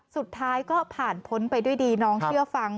สุดท้ายก็ผ่านพ้นไปด้วยดีน้องเชื่อฟัง